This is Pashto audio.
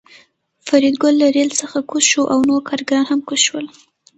فریدګل له ریل څخه کوز شو او نور کارګران هم کوز شول